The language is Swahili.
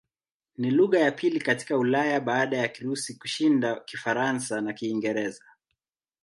Ni lugha ya pili katika Ulaya baada ya Kirusi kushinda Kifaransa na Kiingereza.